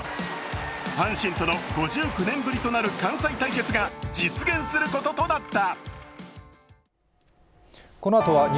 阪神との５９年ぶりとなる関西対決が実現することとなった。